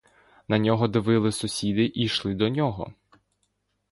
На нього дивились сусіди і йшли до нього.